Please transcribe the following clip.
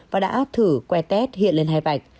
và đã thử que test hiện lên hai bạch